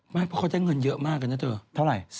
ไม่เพราะเขาได้เงินเยอะมากนะเถอะ